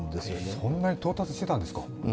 そんなに到達してたんですか。